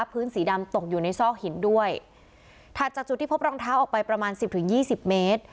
พื้นสีดำตกอยู่ในซอกหินด้วยถัดจากจุดที่พบรองเท้าออกไปประมาณสิบถึงยี่สิบเมตร